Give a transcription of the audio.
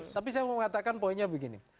tapi saya mau mengatakan poinnya begini